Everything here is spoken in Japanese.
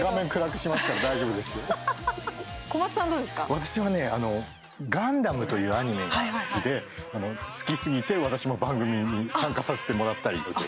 私はね「ガンダム」というアニメが好きで好きすぎて私も番組に参加させてもらったり。